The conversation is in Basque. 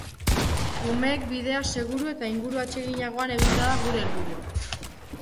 Umeek bidea seguru eta inguru atseginagoan egitea da gure helburua.